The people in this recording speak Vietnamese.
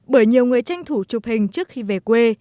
bởi nhiều người tranh thủ chụp hệ